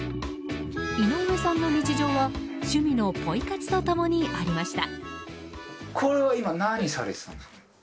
井上さんの日常は趣味のポイ活と共にありました。